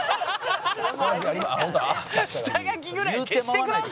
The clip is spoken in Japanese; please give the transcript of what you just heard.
下書きぐらい消してくださいよ！